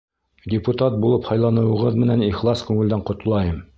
— Депутат булып һайланыуығыҙ менән ихлас күңелдән ҡотлайым.